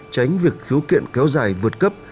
tránh việc thiếu kiện kéo dài vượt cấp